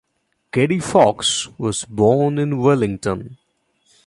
Kerry Fox was born in Wellington.